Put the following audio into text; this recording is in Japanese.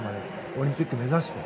オリンピックを目指して。